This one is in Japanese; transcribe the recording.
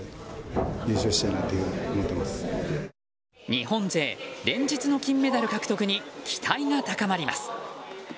日本勢、連日の金メダル獲得に期待が高まります。